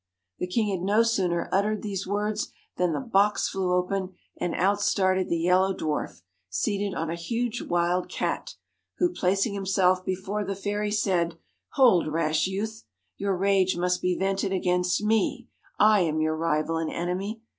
The king had no sooner uttered these words than the box flew open, and out started the Yellow Dwarf, seated on a huge wild cat; who, placing himself before the fairy, said, * Hold, rash youth ! your rage must be vented against me ; I am your rival and enemy.